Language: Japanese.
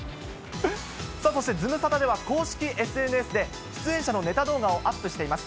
そしてズムサタでは、公式ＳＮＳで、出演者のネタ動画をアップしています。